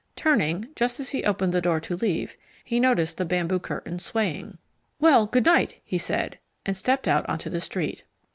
Turning, just as he opened the door to leave, he noticed the bamboo curtain swaying. "Well, good night," he said, and stepped out onto the street.